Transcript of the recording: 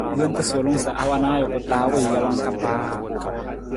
Wonta suulung sa a wan ajuku taa wii jawang ka paa.